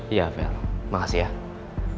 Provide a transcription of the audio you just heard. iya vel makasih ya